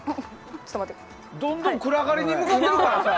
どんどん暗がりに向かってるからさ。